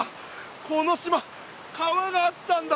この島川があったんだ！